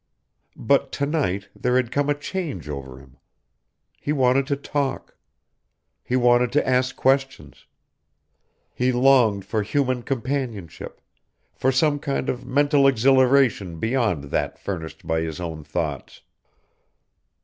But to night there had come a change over him. He wanted to talk. He wanted to ask questions. He longed for human companionship, for some kind of mental exhilaration beyond that furnished by his own thoughts.